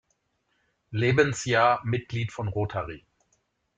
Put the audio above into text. Lebensjahr Mitglied von Rotary.